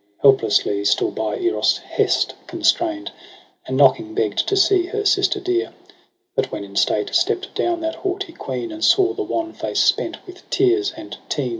Helplessly still by Eros' hest constrain'd. And knocking begg'd to see her sister dear j But when in state stepp'd down that haughty queen, And saw the wan face spent with tears and teen.